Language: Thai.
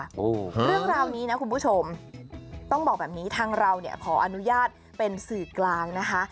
เรื่องราวนี้นะคุณผู้ชมต้องบอกแบบนี้ทางเราเนี่ยขออนุญาตเป็นสื่อกลางนะคะ